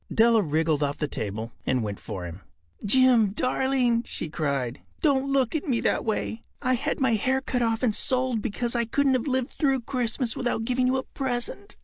Della wriggled off the table and went for him. “Jim, darling,” she cried, “don’t look at me that way. I had my hair cut off and sold because I couldn’t have lived through Christmas without giving you a present.